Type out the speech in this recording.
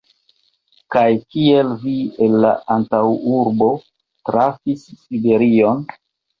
Kaj kiel vi el la antaŭurbo trafis Siberion?